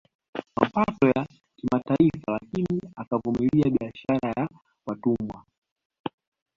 Mapatano ya kimataifa lakini akavumilia biashara ya watumwa